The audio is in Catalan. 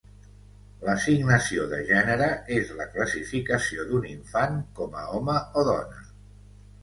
L'assignació de gènere és la classificació d'un infant com a home o dona.